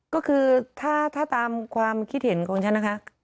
ก็คือถ้าตามความคิดเห็นของฉันนะคะ